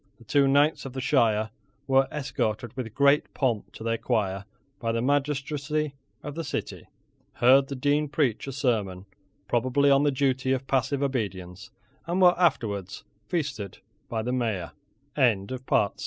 The two knights of the shire were escorted with great pomp to their choir by the magistracy of the city, heard the Dean preach a sermon, probably on the duty of passive obedience, and were afterwards feasted by the Mayor.